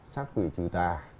xác quỷ trừ tà